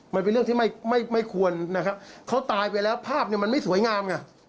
มันเป็นเรื่องที่ไม่ไม่ควรนะครับเขาตายไปแล้วภาพเนี่ยมันไม่สวยงามไง